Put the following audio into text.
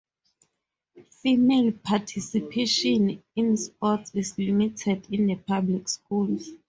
Female participation in sports is limited in the public schools.